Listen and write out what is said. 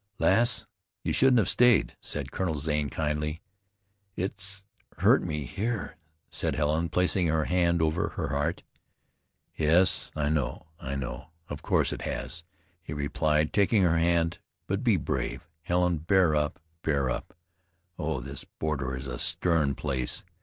"Lass, you shouldn't have stayed," said Colonel Zane kindly. "It's hurt me here," said Helen, placing her hand over her heart. "Yes, I know, I know; of course it has," he replied, taking her hand. "But be brave, Helen, bear up, bear up. Oh! this border is a stern place!